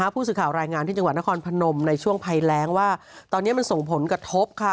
ผู้สื่อข่าวรายงานที่จังหวัดนครพนมในช่วงภัยแรงว่าตอนนี้มันส่งผลกระทบค่ะ